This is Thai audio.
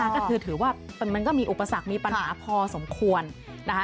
ก็คือถือว่ามันก็มีอุปสรรคมีปัญหาพอสมควรนะคะ